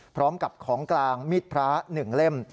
พร้อมกับของกลางมีดพระ๑เล่ม